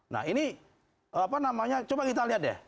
nah ini apa namanya coba kita lihat deh